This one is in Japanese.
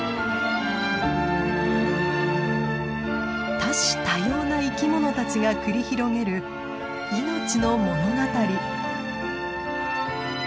多種多様な生き物たちが繰り広げる命の物語。